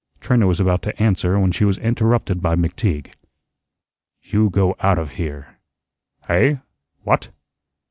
Trina was about to answer when she was interrupted by McTeague. "You go out of here." "Hey? What?"